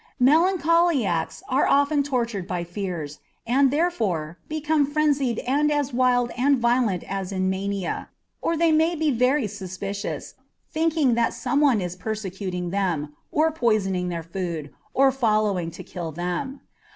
Melancholiacs are often tortured by fears, and, therefore, become frenzied and as wild and violent as in mania; or they may be very suspicious, thinking that some one is persecuting them, or poisoning their food, or following to kill them.